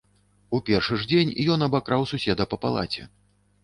У першы ж дзень ён абакраў суседа па палаце.